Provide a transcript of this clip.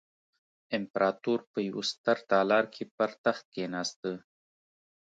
امپراتور په یوه ستر تالار کې پر تخت کېناسته.